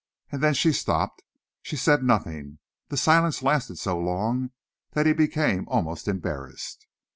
And then she stopped. She said nothing. The silence lasted so long that he became almost embarrassed.